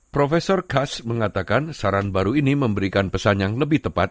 profesor kas mengatakan saran baru ini memberikan pesan yang lebih tepat